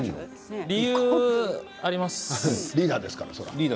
理由はあります。